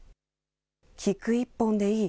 菊一本でいい。